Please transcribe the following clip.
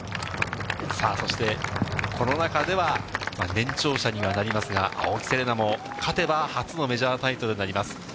そして、この中では年長者にはなりますが、青木瀬令奈も勝てば初のメジャータイトルになります。